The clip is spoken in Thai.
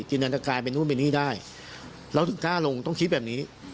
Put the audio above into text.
จินดันตรากายเป็นนู่นเป็นนี่ได้แล้วถึงกล้าลงต้องคิดแบบนี้